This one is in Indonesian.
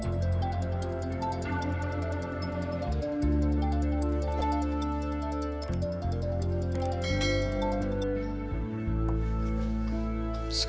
yaossa menunggu entah